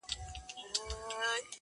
او په گوتو کي يې سپين سگريټ نيولی.